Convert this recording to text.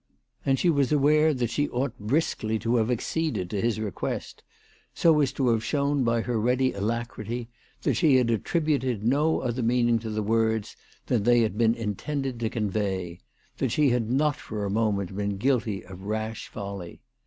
And she was THE TELEGRAPH GIRL. 311 aware that she ought briskly to have acceded to his request, so as to have shown by her ready alacrity that she had attributed no other meaning to the words than they had been intended to convey, that she had not for a moment been guilty of rash folly.